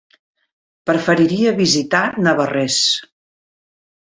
Preferiria visitar Navarrés.